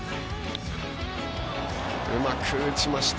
うまく打ちました。